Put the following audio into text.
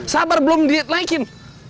sabar belum di naikin